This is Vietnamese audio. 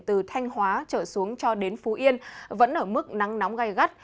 từ thanh hóa trở xuống cho đến phú yên vẫn ở mức nắng nóng gai gắt